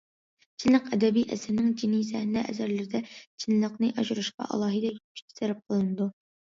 چىنلىق ئەدەبىي ئەسەرنىڭ جېنى، سەھنە ئەسەرلىرىدە چىنلىقنى ئاشۇرۇشقا ئالاھىدە كۈچ سەرپ قىلىنىدۇ.